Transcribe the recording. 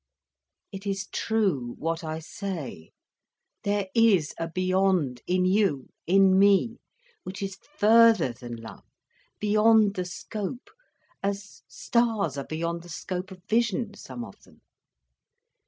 "It is true, what I say; there is a beyond, in you, in me, which is further than love, beyond the scope, as stars are beyond the scope of vision, some of them."